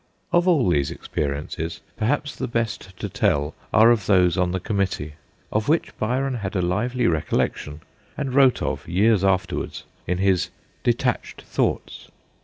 Of all these experiences, perhaps the best to tell of are those on the Committee, of which Byron had a lively recollection, and wrote of years afterwards in his ' Detached Thoughts.